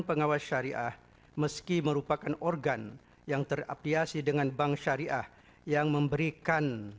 pengawas syariah meski merupakan organ yang terapliasi dengan bank syariah yang memberikan